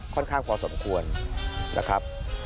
ค่อนข้างพอสมควรนะครับ